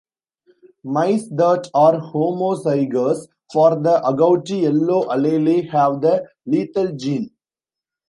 Mice that are homozygous for the agouti yellow allele have the lethal gene.